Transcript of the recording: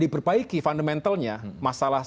diperbaiki fundamentalnya masalah